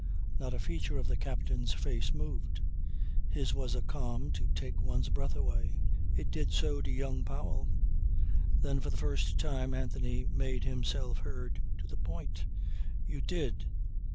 Not a feature of the captain's face moved. His was a calm to take one's breath away. It did so to young Powell. Then for the first time Anthony made himself heard to the point. "You did!